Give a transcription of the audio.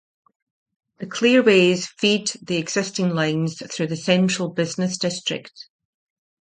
The clearways feed the existing lines through the Central Business District.